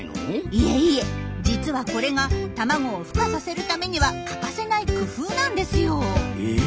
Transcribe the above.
いえいえ実はこれが卵をふ化させるためには欠かせない工夫なんですよ。え？